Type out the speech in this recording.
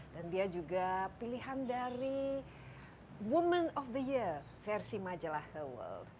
dan dia juga pilihan dari women of the year versi majalah her world